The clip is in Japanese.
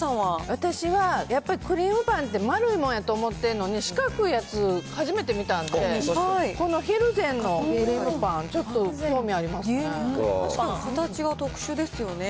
私は、やっぱりクリームパンって、丸いもんやと思ってんのに、四角いやつ、初めて見たんで、この蒜山のクリームパン、ちょっと興味ありますね。